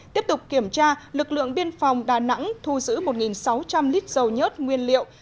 tiếp tục kiểm tra lực lượng biên phòng đà nẵng thu giữ một sáu trăm linh lít dầu nhất nguyên liệu